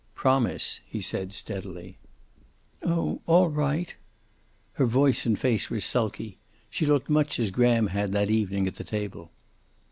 "Promise," he said, steadily. "Oh, all right." Her voice and face were sulky. She looked much as Graham had that evening at the table.